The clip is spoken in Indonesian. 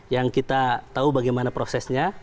yang kita tahu bagaimana prosesnya